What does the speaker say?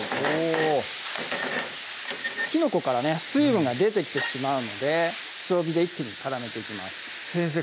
おきのこからね水分が出てきてしまうので強火で一気に絡めていきます先生